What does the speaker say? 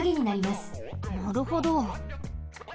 なるほど。